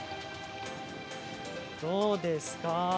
どうですか？